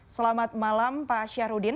selamat malam pak syahrudin